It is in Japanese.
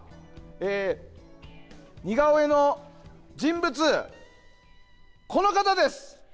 似顔絵の人物、この方です！